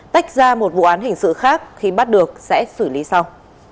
tách ra một vụ án hình sự khác khi bắt được sẽ xử lý sau